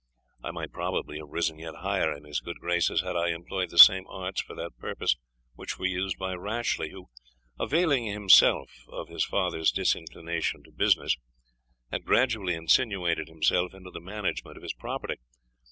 I might probably have risen yet higher in his good graces, had I employed the same arts for that purpose which were used by Rashleigh, who, availing himself of his father's disinclination to business, had gradually insinuated himself into the management of his property.